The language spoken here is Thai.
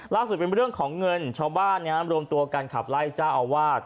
ล่าสุดเป็นเรื่องของเงินชาวบ้านรวมตัวกันขับไล่เจ้าอาวาส